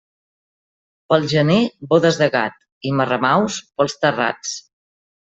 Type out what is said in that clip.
Pel gener, bodes de gats i marramaus pels terrats.